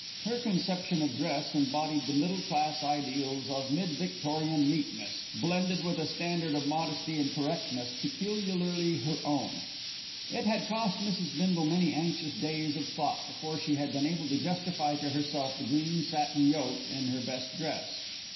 Her conception of dress embodied the middle class ideals of mid Victorian neatness, blended with a standard of modesty and correctness peculiarly her own. It had cost Mrs. Bindle many anxious days of thought before she had been able to justify to herself the green satin yoke in her best dress.